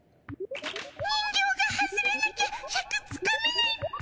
人形が外れなきゃシャクつかめないっピ。